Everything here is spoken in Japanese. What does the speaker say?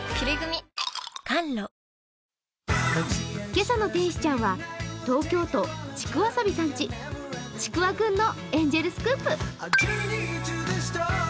今朝の天使ちゃんは東京都、ちくわさびちゃん家、ちくわくんのエンゼルスクープ。